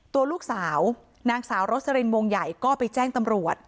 ตัวลูกสาวนางสาวรสลินวงใหญ่ก็ไปแจ้งตำรวจ